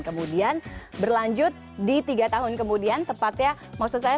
kemudian berlanjut di tiga tahun kemudian tepatnya maksud saya